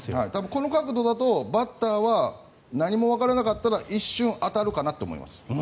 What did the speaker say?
この角度だとバッターは何もわからなかったら一瞬、当たるかなって思います。